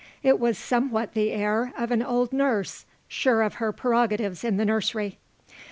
It was somewhat the air of an old nurse, sure of her prerogatives in the nursery.